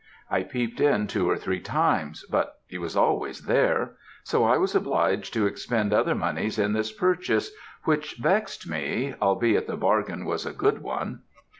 I peeped in two or three times, but he was always there; so I was obliged to expend other moneys in this purchase, which vexed me, albeit the bargain was a good one.